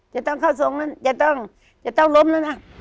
จะต้องเข้าทรงนั้นจะต้องจะต้องล้มแล้วนะ